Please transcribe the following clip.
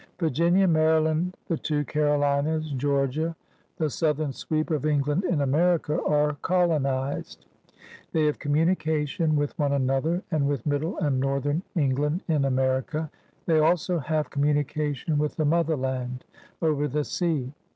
Virginia, Maryland, the two Carolinas, Greorgia — the southern sweep of England in America — are colonized. They have communication with one another and with middle and northern Eng land in America. They also have communication with the motherland over the sea.